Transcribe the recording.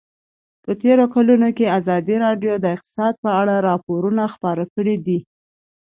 په تېرو کلونو کې ازادي راډیو د اقتصاد په اړه راپورونه خپاره کړي دي.